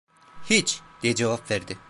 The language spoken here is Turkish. "Hiç!" diye cevap verdi.